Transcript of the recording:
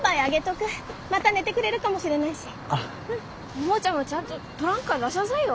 おもちゃもちゃんとトランクから出しなさいよ。